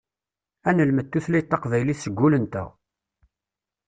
Ad nelmed tutlayt taqbaylit s wul-nteɣ.